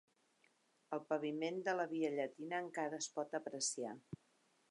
El paviment de la via Llatina encara es pot apreciar.